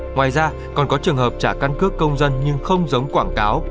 ngoài ra còn có trường hợp trả căn cước công dân nhưng không giống quảng cáo